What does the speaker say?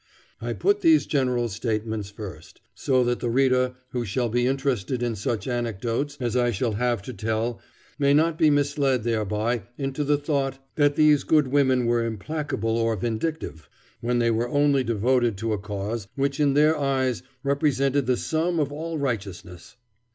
I put these general statements first, so that the reader who shall be interested in such anecdotes as I shall have to tell may not be misled thereby into the thought that these good women were implacable or vindictive, when they were only devoted to a cause which in their eyes represented the sum of all righteousness.